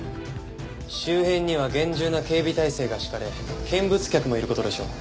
周辺には厳重な警備態勢が敷かれ見物客もいる事でしょう。